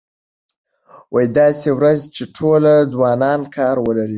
داسې ورځ چې ټول ځوانان کار ولري.